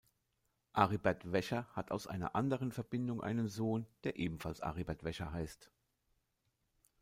Aribert Wäscher hat aus einer anderen Verbindung einen Sohn, der ebenfalls Aribert Wäscher heißt.